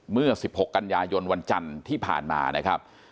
เมื่อ๑๖กันยายนวันจันทร์ที่ผ่านมานะครับ